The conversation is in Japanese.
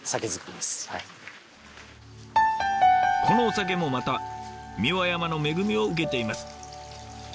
このお酒もまた三輪山の恵みを受けています。